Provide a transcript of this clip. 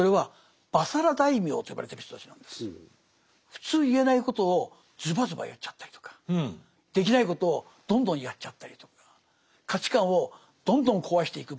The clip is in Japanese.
普通言えないことをズバズバ言っちゃったりとかできないことをどんどんやっちゃったりとか価値観をどんどん壊していく。